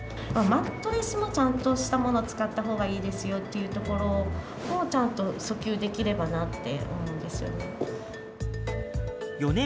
マットレスもちゃんとしたものを使ったほうがいいですよっていうところを、ちゃんと訴求できればなって思うんですよね。